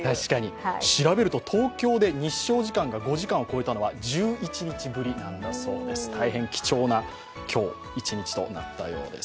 調べると東京で日照時間が５時間を超えたのは１１日ぶり、大変貴重な今日一日となったようです。